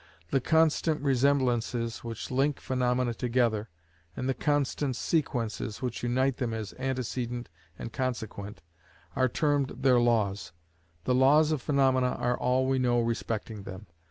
The constant resemblances which link phaenomena together, and the constant sequences which unite them as antecedent and consequent, are termed their laws. The laws of phaenomena are all we know respecting them.